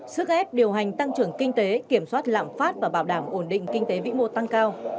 sức ép điều hành tăng trưởng kinh tế kiểm soát lạm phát và bảo đảm ổn định kinh tế vĩ mô tăng cao